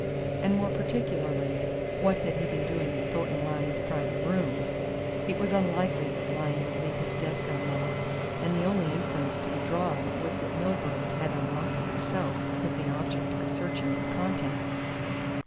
And more particularly, what had he been doing in Thornton Lyne's private room? It was unlikely that Lyne would leave his desk unlocked, and the only inference to be drawn was that Milburgh had unlocked it himself with the object of searching its contents.